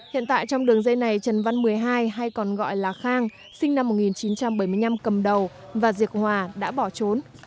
hiện tại trong đường dây này trần văn một mươi hai hay còn gọi là khang sinh năm một nghìn chín trăm bảy mươi năm cầm đầu và việc hòa đã bỏ trốn